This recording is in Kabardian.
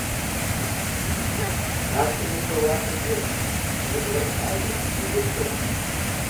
Нартым и пкъыр уардэу иӀыгът, и бгъэр лъагэт, и бгыр псыгъуэт.